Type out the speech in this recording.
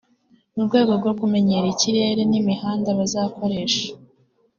mu rwego rwo kumenyera ikirere n’imihanda bazakoresha